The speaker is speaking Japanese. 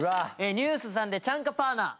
ＮＥＷＳさんで『チャンカパーナ』。